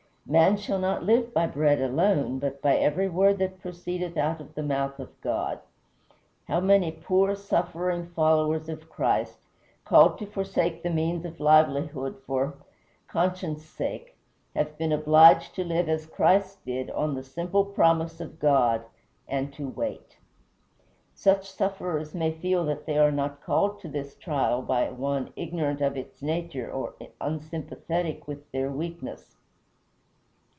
"Man shall not live by bread alone, but by every word that proceedeth out of the mouth of God." How many poor, suffering followers of Christ, called to forsake the means of livelihood for conscience' sake, have been obliged to live as Christ did on the simple promise of God, and to wait. Such sufferers may feel that they are not called to this trial by one ignorant of its nature or unsympathetic with their weakness.